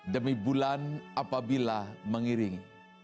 demi bulan apabila mengiringi